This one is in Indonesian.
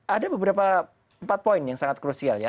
ada beberapa empat poin yang sangat krusial ya